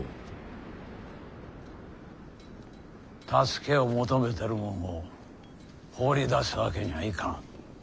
助けを求めてるもんを放り出すわけにはいかん。